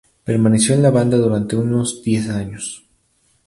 Permaneció en la banda durante unos diez años.